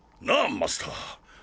マスター。